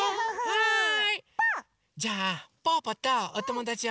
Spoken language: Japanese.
はい！